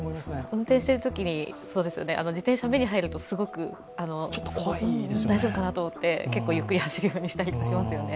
運転してるときに自転車、目に入るとすごく大丈夫かなと思って、ゆっくり走るようにしたりしますよね。